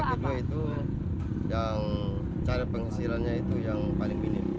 itu yang cara penghasilannya itu yang paling minim